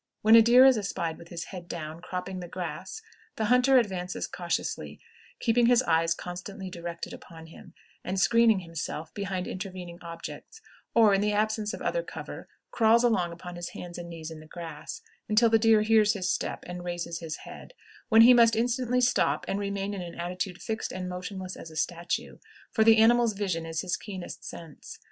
When a deer is espied with his head down, cropping the grass, the hunter advances cautiously, keeping his eyes constantly directed upon him, and screening himself behind intervening objects, or, in the absence of other cover, crawls along upon his hands and knees in the grass, until the deer hears his steps and raises his head, when he must instantly stop and remain in an attitude fixed and motionless as a statue, for the animal's vision is his keenest sense.